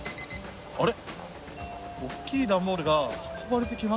あれ？